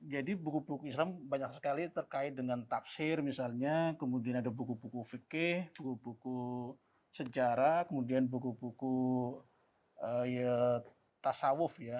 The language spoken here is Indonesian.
buku buku islam banyak sekali terkait dengan tafsir misalnya kemudian ada buku buku fikih buku buku sejarah kemudian buku buku tasawuf ya